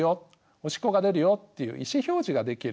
おしっこが出るよっていう意思表示ができる。